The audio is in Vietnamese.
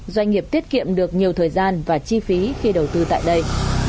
doanh nghiệp tiết kiệm được nhiều thời gian và chi phí khi đầu tư tại đây